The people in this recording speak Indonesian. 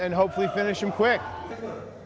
dan semoga bisa mengakhiri dengan cepat